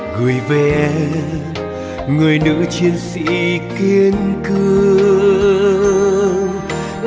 gửi về em người nữ chiến sĩ kiên cường